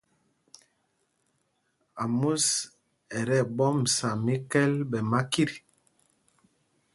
Ámos ɛ tí ɛɓɔmsa míkɛ̂l ɓɛ makit.